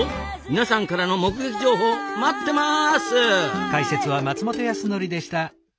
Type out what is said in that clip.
皆さんからの目撃情報待ってます！